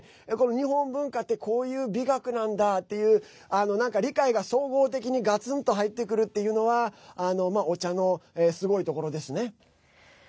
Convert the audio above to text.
日本文化って、こういう美学なんだっていう理解が総合的にガツンと入ってくるっていうのはお茶のすごいところですね。